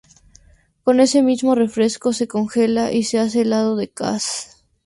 Con ese mismo refresco se congela y se hace helado de cas.